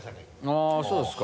あっそうですか。